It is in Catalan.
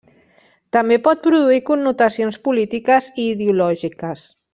També pot produir connotacions polítiques i ideològiques.